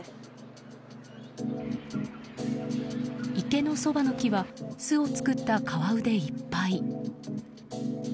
池のそばの木は巣を作ったカワウでいっぱい。